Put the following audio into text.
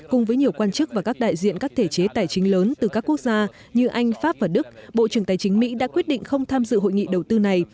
cùng với nhiều quan chức và các đại diện các thể chế tài chính lớn từ các quốc gia như anh pháp và đức bộ trưởng tài chính mỹ đã quyết định không tham dự hội nghị đầu tư này